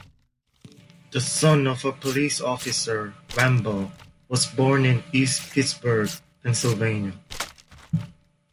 The son of a police officer, Wambaugh was born in East Pittsburgh, Pennsylvania.